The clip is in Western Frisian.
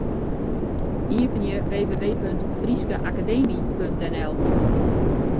Iepenje www.fryskeakademy.nl.